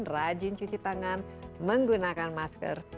rajin cuci tangan menggunakan masker